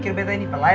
dirisaly ih selesai